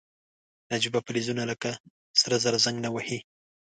نجیبه فلزونه لکه سره زر زنګ نه وهي.